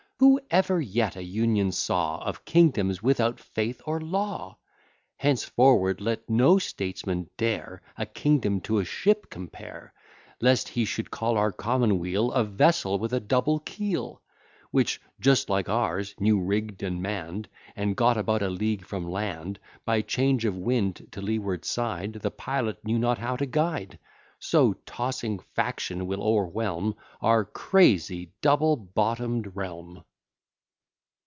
Who ever yet a union saw Of kingdoms without faith or law? Henceforward let no statesman dare A kingdom to a ship compare; Lest he should call our commonweal A vessel with a double keel: Which, just like ours, new rigg'd and mann'd, And got about a league from land, By change of wind to leeward side, The pilot knew not how to guide. So tossing faction will o'erwhelm Our crazy double bottom'd realm.